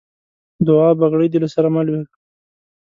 دوعا؛ بګړۍ دې له سره مه لوېږه.